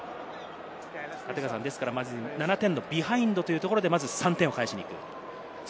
まず７点のビハインドというところで３点を返しに行く。